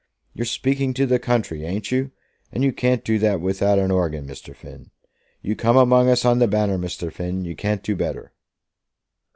You're speaking to the country; ain't you? And you can't do that without a horgan, Mr. Finn. You come among us on the Banner, Mr. Finn. You can't do better."